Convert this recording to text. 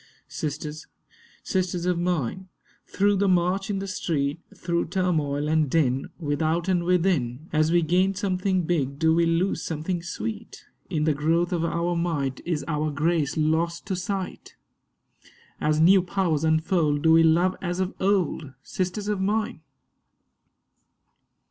Sisters, sisters of mine, through the march in the street, Through turmoil and din, without, and within, As we gain something big do we lose something sweet? In the growth of our might is our grace lost to sight? As new powers unfold do we love as of old, Sisters of mine?